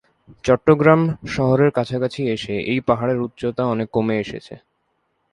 চট্টগ্রাম শহরের কাছাকাছি এসে এই পাহাড়ের উচ্চতা অনেক কমে এসেছে।